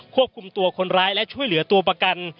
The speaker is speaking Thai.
ควบคุมตัวคนร้ายและช่วยเหลือตัวประกัน